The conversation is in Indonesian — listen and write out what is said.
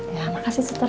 ya makasih suter